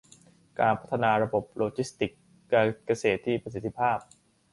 การพัฒนาระบบโลจิสติกส์การเกษตรที่มีประสิทธิภาพ